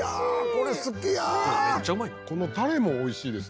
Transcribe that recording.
このタレも美味しいですね。